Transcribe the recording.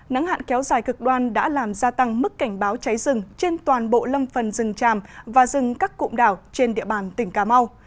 nắng hạn kéo dài cực đoan đã làm gia tăng mức cảnh báo cháy rừng trên toàn bộ lâm phần rừng tràm và rừng các cụm đảo trên địa bàn tỉnh cà mau